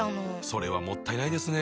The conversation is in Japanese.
それはもったいないですね。